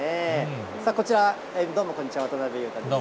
さあ、こちら、どうもこんにちは、渡辺裕太です。